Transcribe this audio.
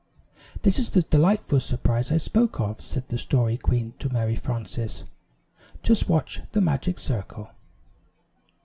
"This is the delightful surprise I spoke of," said the Story Queen to Mary Frances. "Just watch the magic circle."